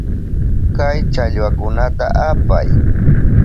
Kay challwakunata apay.